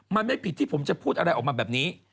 มันไม่ผิดที่ผมจะพูดอะไรออกมาแบบนี้